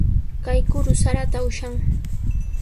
Kay kuru saraata ushan.